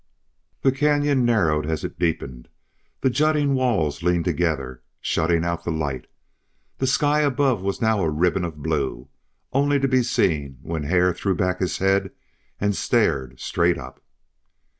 The canyon narrowed as it deepened; the jutting walls leaned together, shutting out the light; the sky above was now a ribbon of blue, only to be seen when Hare threw back his head and stared straight up.